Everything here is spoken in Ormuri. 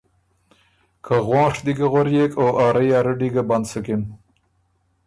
که غونڒ دی ګۀ غؤريېک او ا رئ ا رډّی ګه بند سُکِن